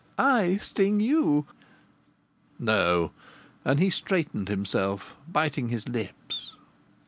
"I sting you " No! And he straightened himself, biting his lips!